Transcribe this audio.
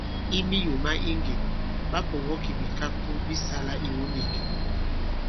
I miyò ma iŋgìn, ɓa pɔ̀ŋɔ kì bìkakto bi sālā iwu nīk.